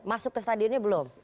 masuk ke stadionnya belum